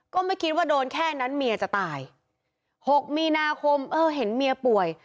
ก็ไม่คิดว่าโดนแค่นั้นเมียจะตายหกมีนาคมเออเห็นเมียป่วย